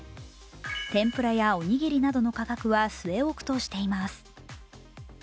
天ぷらやおにぎりなどの価格は据え置くとしています。